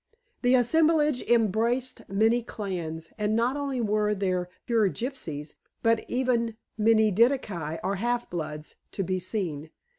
The assemblage embraced many clans, and not only were there pure gypsies, but even many diddikai, or half bloods, to be seen.